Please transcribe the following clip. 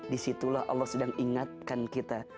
disitulah allah sedang ingatkan kita